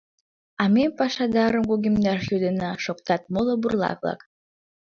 — А ме пашадарым кугемдаш йодына! — шоктат моло бурлак-влак.